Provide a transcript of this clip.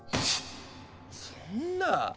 そんなぁ！